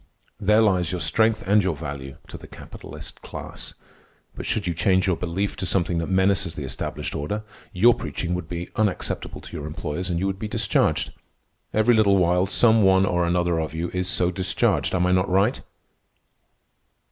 There lies your strength and your value—to the capitalist class. But should you change your belief to something that menaces the established order, your preaching would be unacceptable to your employers, and you would be discharged. Every little while some one or another of you is so discharged. Am I not right?"